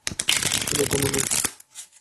তবে এখনো নয়।